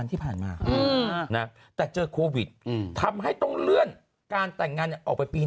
ที่ผ่านมาแต่เจอโควิดทำให้ต้องเลื่อนการแต่งงานออกไปปี๑